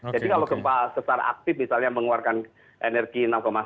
jadi kalau gempa setara aktif misalnya mengeluarkan energi enam satu